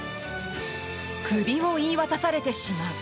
クビを言い渡されてしまう。